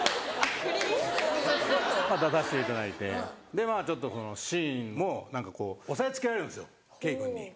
出さしていただいてちょっとそのシーンも何かこう押さえ付けられるんですよ圭君に。